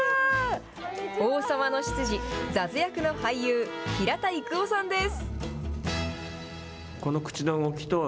王様の執事、ザズ役の俳優、平田郁夫さんです。